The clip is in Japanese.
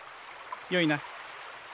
よいな？